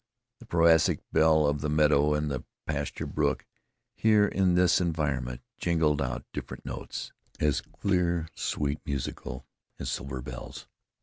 The prosaic bell of the meadow and the pasture brook, here, in this environment, jingled out different notes, as clear, sweet, musical as silver bells.